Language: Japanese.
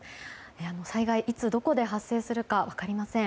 災害は、いつどこで発生するか分かりません。